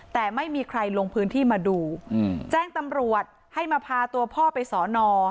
แต่ไม่มีใครลงพื้นที่มาดูแจ้งตำรวจให้มาพาตัวพ่อไปสอนอ